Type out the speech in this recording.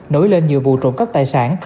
nổi lên nhiều vụ trộm cắp tài sản